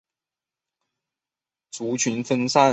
族群分散。